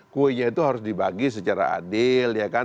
kuenya itu harus dibagi secara adil